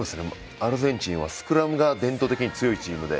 アルゼンチンはスクラムが伝統的に強いチームで